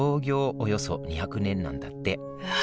およそ２００年なんだってうわ！